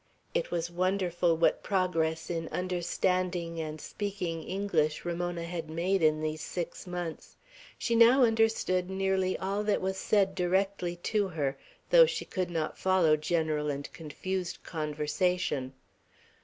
It was wonderful what progress in understanding and speaking English Ramona had made in these six months. She now understood nearly all that was said directly to her, though she could not follow general and confused conversation.